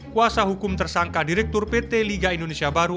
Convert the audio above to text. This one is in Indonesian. kuasa hukum tersangka direktur pt liga indonesia baru